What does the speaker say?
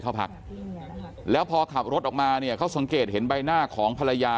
เข้าพักแล้วพอขับรถออกมาเนี่ยเขาสังเกตเห็นใบหน้าของภรรยา